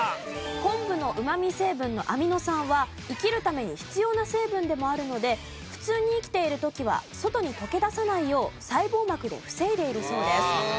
昆布のうまみ成分のアミノ酸は生きるために必要な成分でもあるので普通に生きている時は外に溶け出さないよう細胞膜で防いでいるそうです。